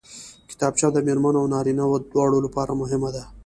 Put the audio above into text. کتابچه د مېرمنو او نارینوو دواړو لپاره مهمه ده